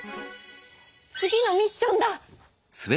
次のミッションだ。